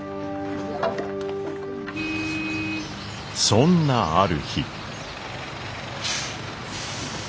そんなある日。